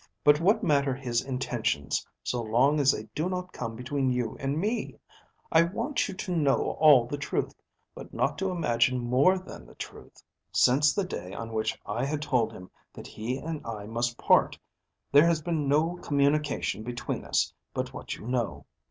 But what matter his intentions so long as they do not come between you and me? I want you to know all the truth, but not to imagine more than the truth. Since the day on which I had told him that he and I must part, there has been no communication between us but what you know.